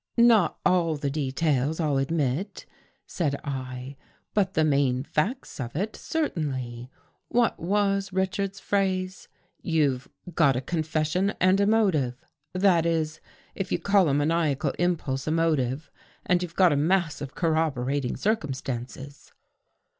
" Not all the details, I'll admit," said I, " but the main facts of it, certainly. What was Richards's phrase? — You've ' got a confession and a motive '— that is, if you call a maniacal impulse a motive. And you've got a mass of corroborating circum stances."